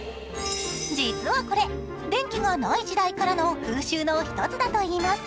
実はこれ、電気がない時代からの風習の一つだといいます。